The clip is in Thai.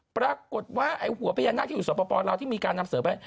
ปรากฏว่าไอ้หัวพญานาคที่อยู่สปลาวที่มีการนำเสริมไป